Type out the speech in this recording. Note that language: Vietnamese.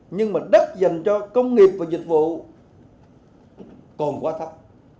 nhưng mà đất dành cho công nghiệp và dịch vụ còn quá thấp